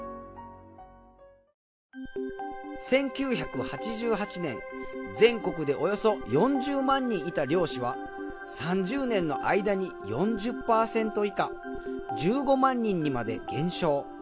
１９８８年全国でおよそ４０万人いた漁師は３０年の間に４０パーセント以下１５万人にまで減少。